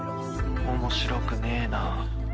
面白くねえな。